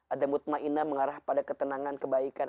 ada mutmainah mengarah pada ketenangan kebaikan